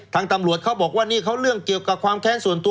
ทางตำรวจเขาบอกว่านี่เขาเรื่องเกี่ยวกับความแค้นส่วนตัว